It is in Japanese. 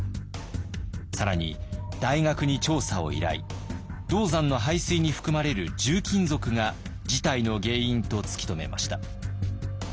更に大学に調査を依頼銅山の排水に含まれる重金属が事態の原因と突き止めました。